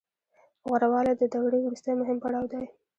غوره والی د دورې وروستی مهم پړاو دی